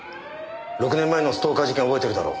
６年前のストーカー事件覚えてるだろ。